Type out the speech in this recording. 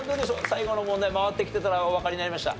最後の問題回ってきてたらおわかりになりました？